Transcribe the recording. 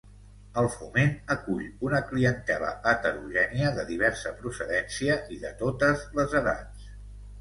El Foment acull una clientela heterogènia, de diversa procedència i de totes les edats.